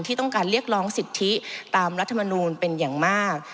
ที่ต้องการเรียกร้องสิทธิตามรัฐมนูลเป็นอย่างมาก